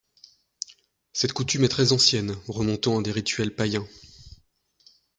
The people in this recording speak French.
Cette coutume est très ancienne, remontant à des rituels païens.